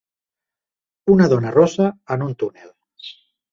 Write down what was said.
Una dona rossa en un túnel.